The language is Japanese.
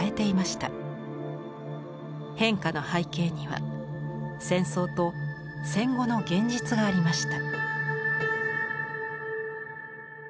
変化の背景には戦争と戦後の現実がありました。